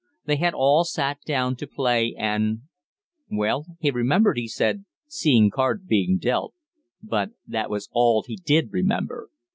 They had all sat down to play, and Well, he remembered, he said, seeing cards being dealt but that was all he did remember.